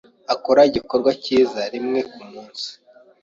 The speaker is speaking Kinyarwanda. Akora igikorwa cyiza rimwe kumunsi.